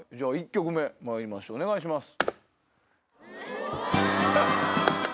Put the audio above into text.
１曲目まいりましょうお願いします。